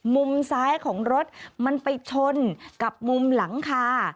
มุมซ้ายของรถมันไปชนกับมุมหลังคา